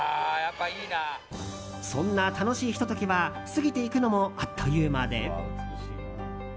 そんな楽しいひと時は過ぎていくのもあっという間で。